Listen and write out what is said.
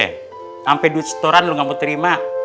sampai duit setoran lu gak mau terima